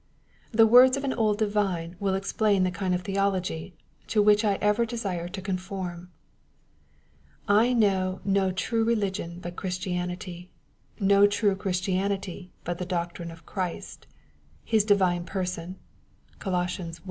The words of an old divine will explain the kind of theology, to which I ever desire to conform ;—*' I know no true religion but Christianity ; no true Chris tianity but the doctrine of Christ ; of His divine person, (CoL i 15.)